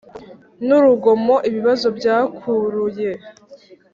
N urugomo ibibazo byakuruye